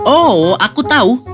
oh aku tahu